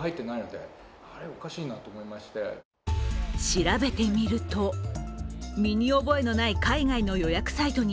調べてみると、身に覚えのない海外の予約サイトに